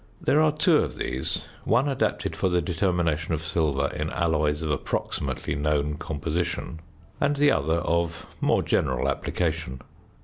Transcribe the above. There are two of these, one adapted for the determination of silver in alloys of approximately known composition, and the other of more general application.